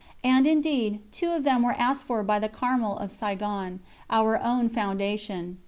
And indeed, two of them were asked for by the Carmel of Saïgon, our own foundation.